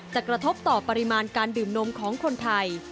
กระทบต่อปริมาณการดื่มนมของคนไทย